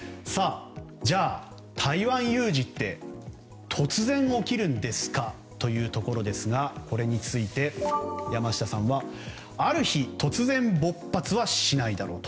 じゃあ、台湾有事って突然起きるんですか？というところですがこれについて、山下さんはある日、突然勃発はしないだろうと。